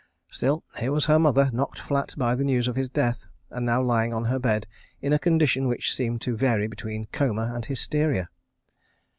... Still—here was her mother, knocked flat by the news of his death, and now lying on her bed in a condition which seemed to vary between coma and hysteria.